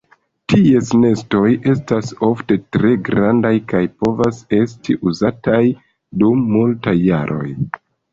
Ties nestoj estas ofte tre grandaj kaj povas esti uzataj dum multaj jaroj.